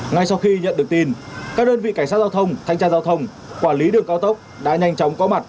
ngay sau khi nhận được tin các đơn vị cảnh sát giao thông thanh tra giao thông quản lý đường cao tốc đã nhanh chóng có mặt